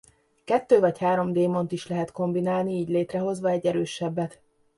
Kettő vagy három démont is lehet kombinálni így létrehozva egy erősebbet.